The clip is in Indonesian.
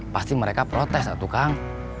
pasti mereka protes satu kang